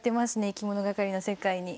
いきものがかりの世界に。